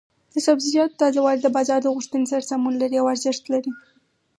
د سبزیجاتو تازه والي د بازار د غوښتنې سره سمون لري او ارزښت لري.